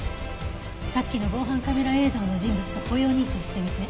さっきの防犯カメラ映像の人物と歩容認証してみて。